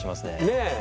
ねえ！